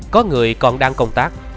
có người còn đang công tác